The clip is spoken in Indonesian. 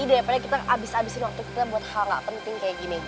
daripada kita habis habisin waktu kita buat hal gak penting kayak gini